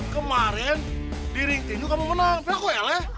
kemarin di ring tinggi kamu menang tapi aku eleh